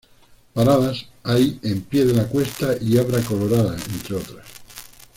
Paradas hay en "Pie de la Cuesta" y "Abra Colorada", entre otras.